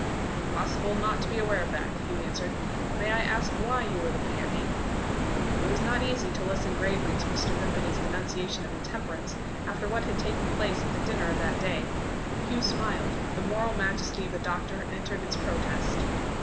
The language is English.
"Impossible not to be aware of that," Hugh answered. "May I ask why you are looking at me?" It was not easy to listen gravely to Mr. Vimpany's denunciation of intemperance, after what had taken place at the dinner of that day. Hugh smiled. The moral majesty of the doctor entered its protest.